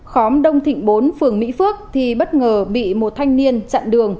khóm đông thịnh bốn phường mỹ phước thì bất ngờ bị một thanh niên chặn đường